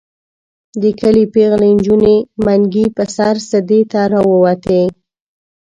د کلي پېغلې نجونې منګي په سر سدې ته راوتې.